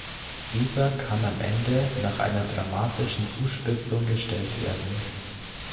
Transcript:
Dieser kann am Ende nach einer dramatischen Zuspitzung gestellt werden.